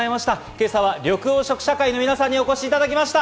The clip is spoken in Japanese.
今朝は緑黄色社会の皆さんにお越しいただきました。